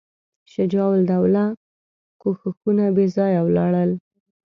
شجاع الدوله کوښښونه بېځایه ولاړل.